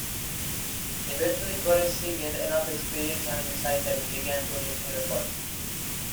Eventually Barresi gained enough experience and insight that he began producing records.